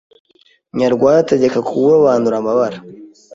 Nyarwaya ategeka kurobanura amabara